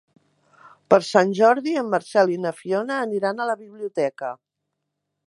Per Sant Jordi en Marcel i na Fiona aniran a la biblioteca.